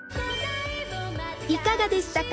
いかがでしたか？